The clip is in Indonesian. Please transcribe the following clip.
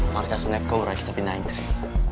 mereka sebenarnya kurang kita pindahin sih